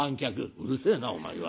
「うるせえなお前は。